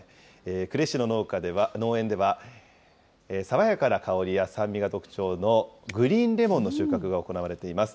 呉市の農園では、爽やかな香りや酸味が特徴のグリーンレモンの収穫が行われています。